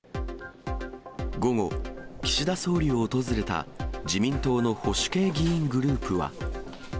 午後、岸田総理を訪れた自民党の保守系議員グループは。